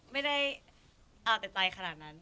ไม่ได้เอาแต่ใจขนาดนั้น